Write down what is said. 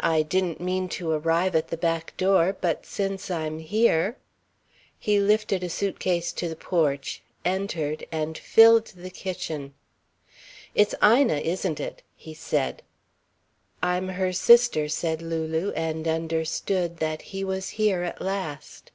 "I didn't mean to arrive at the back door, but since I'm here " He lifted a suitcase to the porch, entered, and filled the kitchen. "It's Ina, isn't it?" he said. "I'm her sister," said Lulu, and understood that he was here at last.